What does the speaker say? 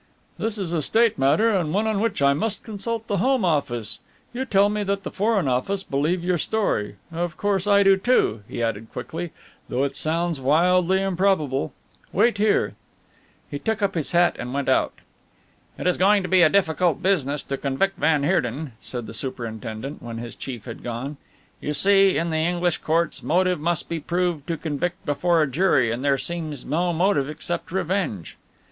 "This is a State matter and one on which I must consult the Home Office. You tell me that the Foreign Office believe your story of course I do, too," he added quickly, "though it sounds wildly improbable. Wait here." He took up his hat and went out. "It is going to be a difficult business to convict van Heerden," said the superintendent when his chief had gone, "you see, in the English courts, motive must be proved to convict before a jury, and there seems no motive except revenge.